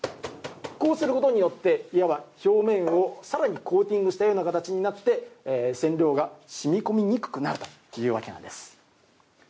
こうすることによっていわば、表面をさらにコーティングしたような形になって染料がしみこみにくくなるというわけなんです。